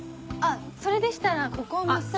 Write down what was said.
それでしたらここを真っすぐ。